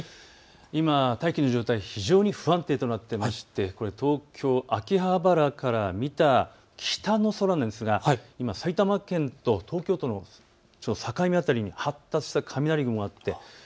今、大気の状態、非常に不安定となっていまして東京秋葉原から見た北の空、今、埼玉県と東京の境目辺りに発達した雷雲があって。